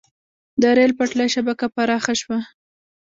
د ریل پټلۍ شبکه پراخه شوه.